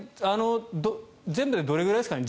全部でどのぐらいですかね。